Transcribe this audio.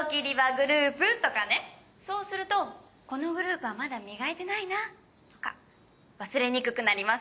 そうすると「このグループはまだ磨いてないな」とか忘れにくくなります。